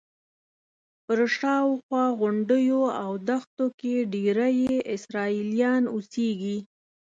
پر شاوخوا غونډیو او دښتو کې ډېری یې اسرائیلیان اوسېږي.